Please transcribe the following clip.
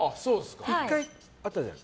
１回あったじゃない。